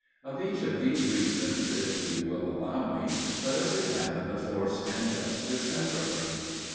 Of each of these reasons, if you will allow me, let us examine the force and justice separately.